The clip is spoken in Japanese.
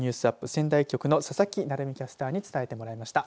仙台局の佐々木成美キャスターに伝えていただきました。